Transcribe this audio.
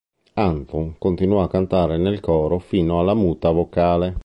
Anton continuò a cantare nel coro fino alla muta vocale.